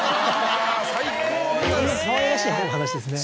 かわいらしいお話ですね。